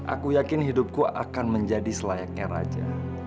aku yakin hidupku akan menjadi selayaknya raja